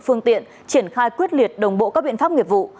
phương tiện triển khai quyết liệt đồng bộ các biện pháp nghiệp vụ